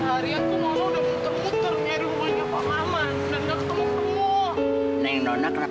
seharian kumoh kumoh udah puter puter nyari rumahnya pak maman